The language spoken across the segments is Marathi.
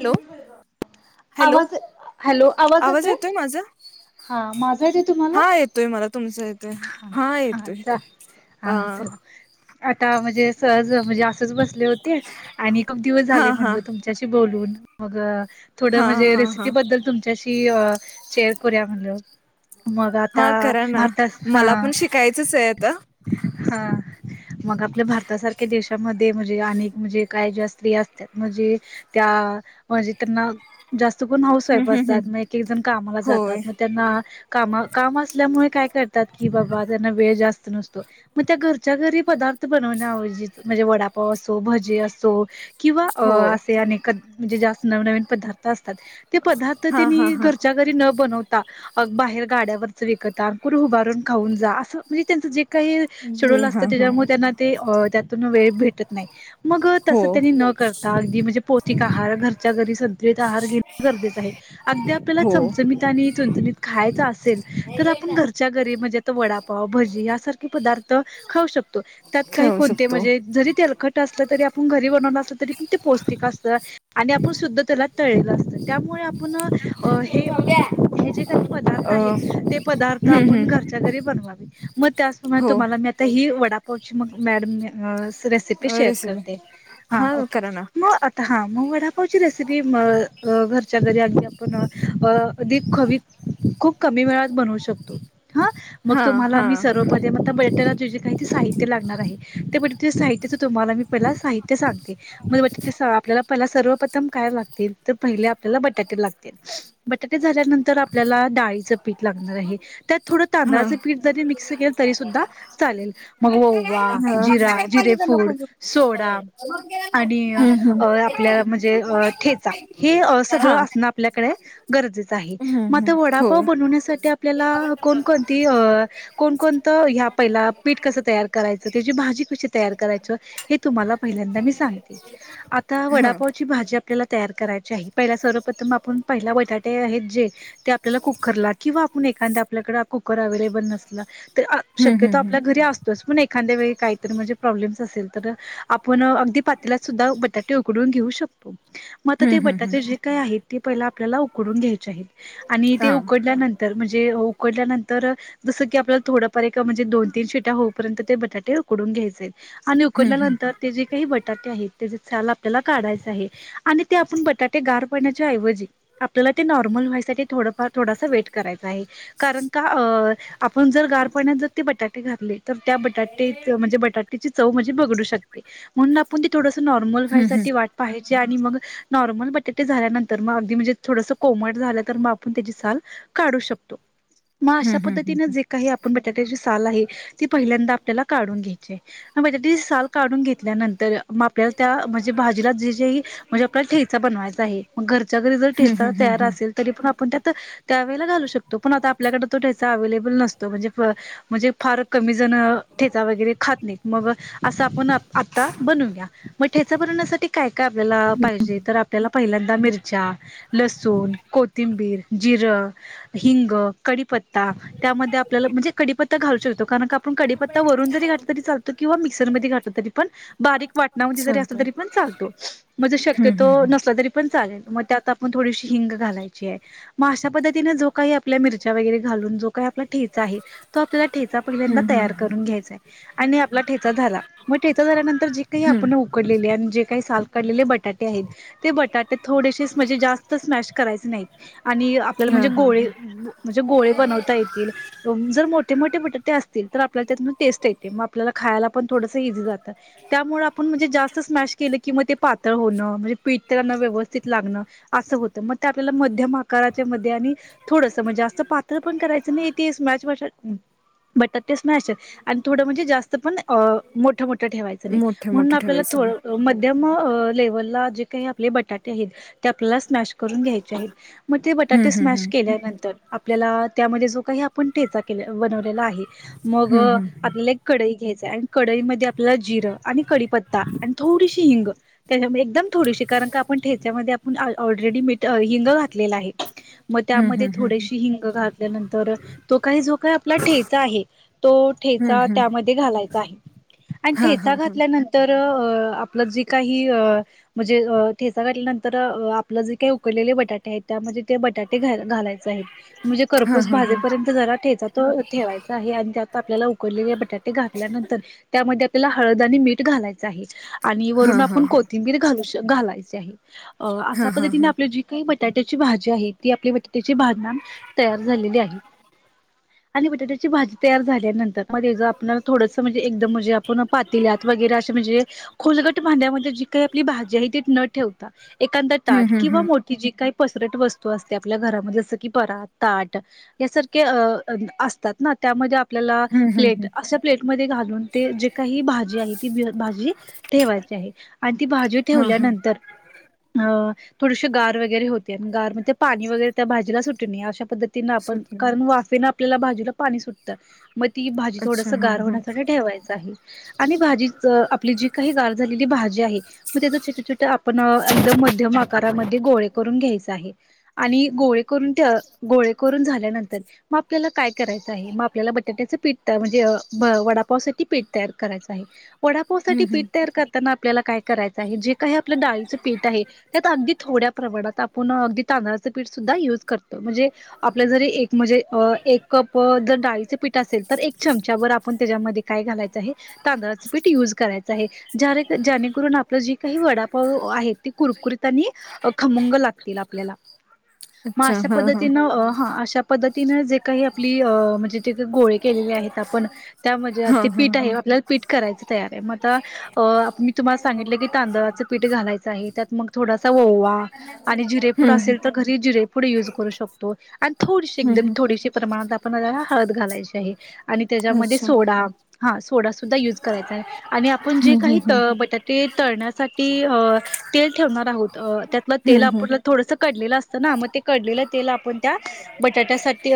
हॅलो हॅलो आवाज हॅलो आवाज येतोय. हा माझा येतोय तुम्हाला? हा येतोय मला तुमचा येतोय [inaudible] ह हा येतोय अता हा अ हा चला. आता म्हणजे सहज म्हणजे असच बसले होते आणि खूप दिवस हा झाले हा म्हणलं तुमच्याशी बो लून मग थोडं हा म्हणजे हा रेसिपी हा बद्दल तुमच्याशी अ शेअर करुया म्हणल. मग हा आता करा ना मारतास हा मला पण शिकायचंच आहे आता [inaudible] हा. मग आपल्या भारतासारख्या देशामध्ये म्हणजे अनेक म्हणजे काय ज्या स्त्री असतात म्हणजे त्या म्हणज त्यांना जा चुकून हाऊसवाईफ हम्म हम्म असतात. हम्म मग एक-एक जण कामाला जातात होय मग त्यांना कामा -काम असल्यामुळे काय करता की बाबा त्यांना वेळ जास्त घरच्या घरी [inaudible] भजे असो किंवा हो असे अनेक म्हणजे जास्त नवनवीन पदार्थ असतात ते पदार्थ हा हा त्यांनी हा घरच्या घरी न बनवता बाहेर- गाड्यावरच विकत आण कोण उभारून खाऊन जा असं म्हणजे त्यांचं जा काही दे शेडुल असत हा हा त्याच्यामुळे त्यांना त्यातून वेळ भेटत नाही मग हो तसं त्यां करता अगदी म्हणजे आहार घरच्या घरी संतुलित आहार घे गरजेच आहे अदी आपल्याला हो चमचमीत आणि चच [inaudible] पदार्थ खाऊ शकतोय त्यात काही खेळू शकतो म्हणजे जरी खट असलं तरी आपण घरी बनवलं असलं तरी पण ते पौष्टिक असत आणि आपण सुद्धा त्याला तलेल असत त्यामुळे आपण हे हे जे काही पदार्थ अ आहेत ते पदार्थ हम्म आपण हम्म घरच्या घरी बनवावे मग त्याचप्रमाणे हो तुम्हाला म आता ही वडापावची मग मॅड रेसिपी शेअर रेसिपी करते हा ओके करा ना मगं हा मग वडापावची रेसिपी घरच्या घरी अगदी आपण अ अधिक खवी खूप कमी वेळात बनवू शकतो ह मग हा तुम्हाला हा मी सर्व मध्ये म्हणजे जे जे काय लागत ते सांगितले साहित्य लागणार आहे ते म्हणजे मी ते तुम्हाला साहित्य सांगते [inaudible] डाळीचे पीठ लागणार आहे त्यात थोडं हा तांदळाचं पीठ जरी मिक्स केलं तरी सुद्धा चालेल हा मगं ओवा, हम्म जिरा जिरे फूड सोडा आणि आपल्या म्हणजे ठेचा हे सगळ असण आपल्याकडे गरजेचं आहे हम्म आता हो वडापाव बनवण्यासाठी आपल्याला कोणकोणती अ कोणकोणतं ह्या पहिला पीठ कसं तयार करायचं त्याची भाजी कशी तयार [inaudible] आता हा वडापावची भाजी आपल्याला तयार करायची आहे पहिला सर्वप्रथम आपण पहिला बटाटे आहेत जे ते आपल्याला कुकरला किंवा आपण एखाद्या आपल्याकडे कुकर अव्हेलेबल नसल तर हम्म शक्यतो हम्म आपल्या घरी असतोच पण एखाद्या वेळी काहीतरी म्हणजे प्रॉब्लेम्स असेल तर आपण अगदी पातीला सुद्धा बटाटे मगं ते हम्म हम्म हम्म हम्म बटाटे जे काय ते प आपल्याला उकडून घ्यायचे आहेत आणि हा ते उकडल्यानंतर म्हणजे उकडल्यानंतर जं की आपला थोडंफार ए म्हणजे दोन तीन शिटा होऊपर्यंत ते बटाटे उकडून घ्यायचे आणि उकडल्यानंतर ते जे काही बटाटे आहेत त्याचे ला काढाय आहे आणि ते आप बटाटे गार पण्याच्या ऐवजी आपल्याला ते नॉर्मल व्हायसाठी थोडफ थोडासा वेट करायचा आहे कारण का आपण जर च पा जर ते बटाटे घातले तर त्या बटाटे म्हणजे बटाटेची चव हम्म [inaudible] [inaudible] ल काढू शकतो- मग हम्म हम्म अशा हम्म हम्म पद्धतीनें जे काही आपण बटाट्याची साल आहे ती पहिल्यांदा आपल्याला काढून घे- साल काढून घेतल्यानंतर मग आपल्याला त्या [inaudible] [inaudible] त्यावेळेला घालू शकतो पण आता आपल्याकडे तो ठ्यायचा अवे्हेलेबल नसतो म्हणजे म्हणजे फार कमी जण ठेचा वगैरे खात नाही मगं असं आपण आता बनवू घ्या मगं ठेचा भरण्यासाठी काय काय आपल्याला पाहिजे तर आपल्याला पहिल्यांदा मिरच्या, लसूण, कोथबी, बीर जिरा, हिंग क पता त्यामध्ये आपल्याला म्हणजे कडीपत्ता घालू शकतो कारण क आपण कडीपत्ता वरून जरी घातल किंवा मिक्सर मधी घातलं तरी पण बारीक वाटणावाणी जरी चालतो तरी पण चालतो. शक्यतो नसला तरी पण चालेल. मग त्यात मग थोडीशी हिंग घालायची आहे. मग अशा पद्धतीने जो काही आपल्या मिरच्या वगैरे घालून जो काही आपला ठे च आहे, तो आपल्याला ठेचा पहिल्यांदा हम्म तयार हम्म करून घ्यायचा आहे. आणि आप ला ठेचा झाला. मग ठेचा झाल्यानंतर जे काही हम्म आपण ऊ कडलेले आणि जे काही साल काढलेले बटाटे आहेत, ते बटाटे थोडेसे म्हणजे जास्त स्मॅश करायचे नाही. आणि आपल्याला हा म्हणजे हा गोळे हा म्हणजे गोळे बनवता येतील. जर मोठ मोठे बटाटे असतील, तर आपल्याला त्यातून टेस्ट येते. मग आपल्याला खायला पण थोडस इीजी जातं. त्यामुळे आपण म्हणजे जास्त स्मॅश केलं की मग ते पातळ होण, म्हणजे पीठ त्याला न व्यवस्थित लागण, असं होत. मग ते आपल्या मध्यम आकाराच्या मध्ये आणि थोडस म्हणजे जास्त पातळ पण करायचं नाही. ते स्मॅश बटाटे स्मॅश आहे आणि थोडं म्हणजे जास्त पण अं मोठ मोठ ठ ठेवायचं नाही. मोठे म्हणून मोठे आपल्याला ठेवायचं नाही थोड मध्यम अ लेवलला जे काही आपले बटाटे आहेत. ते आपल्या स्मॅश करून घ्यायचे आहेत मग ते हम्म बटाटे हम्म स्मॅश केल्यानंतर आपल्याला त्यामध्ये जो, काही आपण ठेचा केल बनवलेला आहे, मग हम्म आपल्या एक कढई घ्यायच आणि कडईमध्येध्ये आपला जिरं आणि कढी पत्ता आणि थोडीसी हिंग, त्याच्याम एकदम थोडीशी कारण का आपण ठेच्यामध्ये आपण ऑलरेडी मीठ हिंग घातलेला आहे. मग हम्म त्यामध्ये हम्म थोडेशी हिंग घातल्यानंतर तो काही जो काही आपला ठेचा आहे, तो हम्म ठेचा हम्म त्यामध्ये घालायचा आहे. आणि हा हा ठेचा हा घातल्यानंत तर अ आपलं जे काही म्हणजे ठेचा घातल्यानंतर अ आप आपलं जे काही उकडलेले बटाटे आहेत त्यामध्ये ते बटाटे घा घालायचे आहेत. म्हणजे हा खरपूस हा हा भाजेपर्यंत जरा ठेचात ठेवायचा आहे आणि त्यात आपल्याला उकडलेले बटाटे घातल्यानंतर त्यामध्ये आपल्याला हळद आणि मीठ तो घालायच आहे आणि हा वरून हा हा आपण कोथिंबीर घालू श घालायच आहे. अ असा हा हा पद्धतीने हा आपलं जी काही ब टाट्याची भाजी आहे ती आपली बटाट्याची भाजी ना तयार झालेली आहे. आणि बटाट्याची भाजी तयार झाल्यानंतर मध्ये जर आपलाला थोडस म्हणजे एकदम म्हणजे आप, वगैरे असे म्हणजे खोलगट भांड्यामध्ये जी काही आपली भाजी आहे ती न ठेवता एखांद हम्म ताट हम्म किंवा हम्म मोठी जी काही पसरट वस्तू असते आपल्या घरामध्ये जस की परात ताट यासारखे असतात ना. त्यामध्ये आपल्याला हम्म हम्म प्लेट हम्म अश्या प्लेटमध्ये घालून ते जे काही भाजी आहेत ती भाजी ठेवायची आहे आणि ती भाजी हा हा ठेवल्यानंतर, अं थोडीशी गार वगैरे होते आणि गार म ते पाणी वगैर त्या भाजीला सुटून नाही. अशा पद्धतीन आपण, सुटले कारण वाफेने आपल्याला भाजीला पाणी सुटत. मग ती भाजी अच्छा थोडस हा गार हा होण्यासाठी ठेवायचं आहे आणि भाजी आपली जी काही गार झालेली भाजी आहे, म त्याज छोट छोट आपण एकदम मध्यम आकारामध्ये गोळे करून घ्यायचं आहे. आणि गोळे करून ते गोळे करून झाल्यानंतर मग आपल्याला काय करायच आहे? मग आपल्याला बटाट्याचं पीठ म्हणजे वडापाव साठी पीठ तयार करायचं आहे. वडापाव हम्म साठी पीठ हम्म तयार करताना आपल्याला काय करायचं आहे? जे काही आपलं डाळीचं पीठ आहे, त्यात अगदी थोड्या प्रमाणात आपण अगदी तांदळाचं पीठ सुद्धा युज करतो. म्हणजे आपल्या जरी एक म्हणजे एक कप जर डाळीचे पीठ असेल तर एक चमचाभर आपण त्याच्यामध्ये काय घालायचं आहे? तांदळाच पीठ युज करायच आहे जा जाणेकरून आपलं जी काही वडापाव आहे ती कुरकुरीत आणि खमंग लागतील आपल्याला. मग अच्छा अशा हा हा पद्धतीनं, हं अशा पद्धतीने जे काही आपली अ म्हणजे जे का गोळे केलेले आहेत आपण त्यामध्येे हा ते हा पीठ हा आहे आपल्याला पीठ करायचं तयार आहे. मग आता मी तुम्हाला सांगितलं की तांदळाच पीठ घालायचं आहे, त्यात मग थोडासा ओवा आणि जिरे पूड हम्म असेल तर घरी जिरे पूड युज करू शकतो. आणि थोडीशी हम्म एकदम हम्म थोडीशी प्रमाणात आपणला हळद घालायची आहे आणि त्याच्यामध्ये अच्छा सोडा हा सोडा सुुद्धा यूज करायचा आहे. आणि आपण जे हम्म काही हम्म त बटाटे तळण्यासाठी? अ तेल ठेवणार आहोत. त्यातलं तेल आपल्याला थोडस कढलेलं असत. ना मग ते कडलेलं तेल आपण त्या बटाट्यासाठी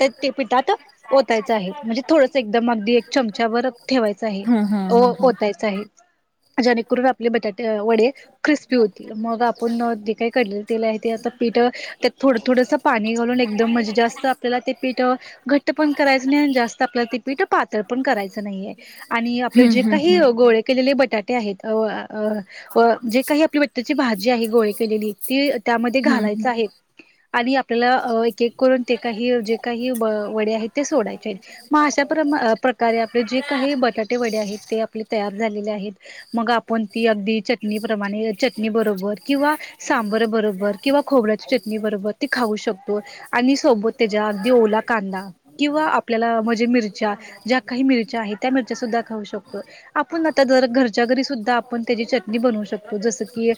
त्या पिठात ओतायचं आहे. म्हणजे, थोडस एकदम, अगदी, एक चमचावर ठेवायच आहे, हम्म हम्म हम्म ओतायचा आहे, ज्यानेकरून आपले बटाटे, वडे, क्रिस्पी होतील. मग आपण जे काही कढलेलं तेल आहे ते आता पीठ थोडं, थोडंसं, पाणी घालून एकदम मजे जास्त आपल्याला ते पीठ घट्ट पण करायच नाही, जास्त आपला ते पीठ पातळ पण करायचं नाही, आहे आणि हम्म जे हम्म काही गोळे केलेले ब बटाटे आहेत. व जे काही आपली बटाट्याची भाजी आहे, गोळे केलेली ती त्यामध्ये घालायच आहे. आणि आपलं एक, एक, करून ते काही, जे काही, वडे आहेत ते सोडायचे आहेत. मग अशा प्रकारे आपले जे काही बटाटे वडे आहेत. ते आपले तयार झालेले आहेत मग आपण अगदि चटणी प्रमाणे चटणी बरोबर किंवा सांबर बरोबर किंवा खोबऱ्या चटणी बरोबर ती खाऊ शकोतो. आणि सोबत त्याच्या अगदी ओला कांदा किंवा आपल्याला म्हणजे मिरच्या ज्या काही मिरच्या आहे त्या मिरच्या सुद्धा खाऊ शकतो. आपण आत्ता जर घरच्या घरी सुद्धा आपण त्याची चटनि बनऊ शकतो जस की,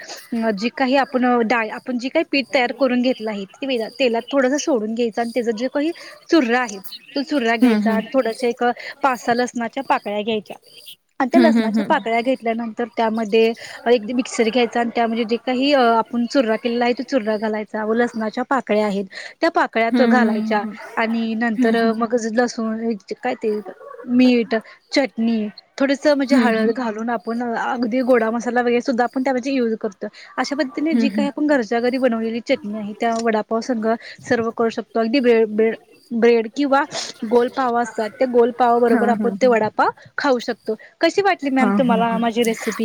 जी काही आपण डाळ आपण जी काही पीठ तयार करून घेतलं आहे. तेलात थोडस सोडून घ्यायचं आणि जे काही चुर्रा आहे. तो चुरा हम्म हम्म घ्यायचा, आणि थोडश एक पासा लसणाच्या पाकळ्या घ्यायच्या आणि त्या हम्म हम्म हम्म हम्म हम्म हम्म लसणाच्या पाकळ्या घेतल्यानंतर त्यामध्ये एक मिक्सर घ्यायचा आणि त्यामध्ये जे काही आपण चुरा केलेला आहे त चुरा घालायचा. लसनाच्या पाकळ्या आहेत त्या पाकळ्या तो घालाय च्या आणि नंतर मग लसूण काय ते मीठ चटणी थोडस म्हणजे हम्म हम्म हम्म हळद घालून आपण अगदी गोडा मसाला वगैरे सुद्धा आपण त्या ऐवजी म्हणे युज कर अशा पद्धतीने हम्म हम्म जी हम्म काही आपण घरच्या घरी बनवलेली चटणी आहे त्या वडापाव संघ सर्व करू शकतो अगदी ब्रेे ब्रेड ब्रेड किंवा गोलपाव असतात त्या गोलपावा हां बरोबर हां आपण ते हां वडापाव खाऊ शकतो. कशी वाटली मॅम हां हां तुम्हाला माझी रेसिपी.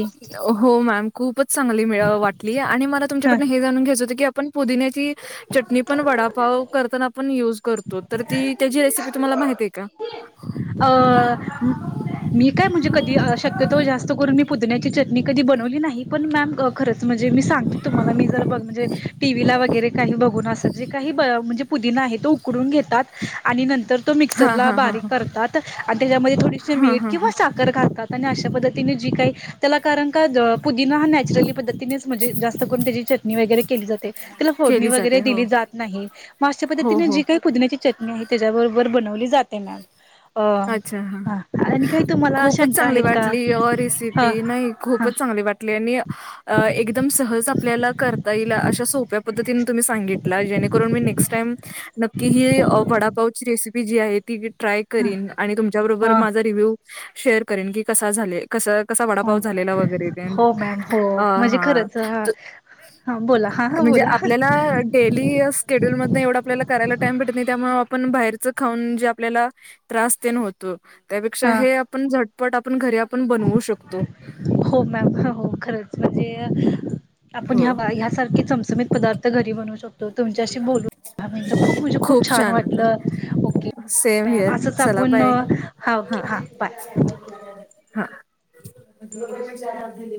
हो मॅम खूपच चांगली मीळ वाटली आणि मला हा तुमच्याकडन हे जाणून घ्यायचं होत की आप पण पुदिन्याची चटणी पण वडापाव करताना आपण युज कर तो तर ती त्याची रेसिपी तुम्हाला माहतीे आहे का? अ मी काय म्हणजे अ शक् तो जास्त करून मी पुदिन्याची चटणी कधी बनवली नाही पण मॅम खरंच म्हण जे मी सांगते तुम्हाला मी जर बघ म्हणजे टीव्हीला वगैरे काही बघून अस जे काही ब म्हणजे पुदीन आहे तो उकडून घेतात आणि नंतर तो हां मिक्सरला हां हां बारीक हां करतात आणि त्याच्यामध्ये थोडी शी हां मीठ हां किंवा हां साखर घालतात. आणि अशा पद्धतीने जी काही त्याला कारण का द पुदिना हा नॅचरली पद्धतीनेच म्हणजे जास्त करून त्याची चटणी वगैरे केली जाते. त्याला फोडणी केली वगैरे जाते हो दिली जात नाही अशा हो पद्धतीने हो जी काही पुदिन्याची चटणी आहे त्याच्याबरोबर बनवली जाते मॅम हो अच्छा हां ह.. खूपच चांगली वाटलीे, ओ ह रेसिपी हा नाही खूपच हा चगली वाटली आणि अ एकदम सहज आपल्याला करता येईल अशा सोप्या पद्धतीने तुम्ही सांगितला जेणेकरून मी नेक्स्ट टाईम नक्की ही वडापावची रेसि पी जी आहे ती ट्राय करीन आणि तुमच्याबरोबर हा माझा रिव्ह्यू शेअर करेन की कसा झाले. कस कसा हा वडापाव झालेला वगैरे देण्ट हो मॅम हो अ म्हणजे हा खरंच हा हा बोला हा हा म्हणजे बोला आपल्याला डेली स्केड्युल मधन एवढ आपल्याला करायला टाइम भेटत नाही त्यामुळ आपण बाहेरच खाऊन जे आपल्याला त्रास तेन होतो. त्यापेक्षा हा हे आपण झटपट आपण घरी आप हो मॅम हा हो खरच म्हणजे आपण ह्या हो भा यासारखी चमचमीत पदार्थ घरी बनवू शकतो. तो तुमच्याशी बोलून दहा मिनिट खूप म्हणजे खूप छान वाटलं ओके. सेम मॅम हिअर असं चला आपून बाय हा ओके हा बाय. [unintelligible]